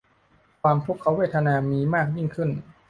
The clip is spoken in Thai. ความทุกขเวทนามีมากยิ่งขึ้น